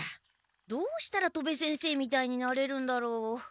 どうしたら戸部先生みたいになれるんだろう？